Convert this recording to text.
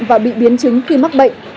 và bị biến chứng khi mắc bệnh